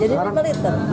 jadi lima liter